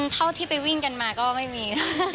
เท่าที่ไปวิ่งกันมาก็ไม่มี